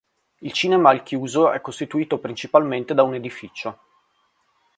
Il cinema al chiuso è costituito principalmente da un edificio.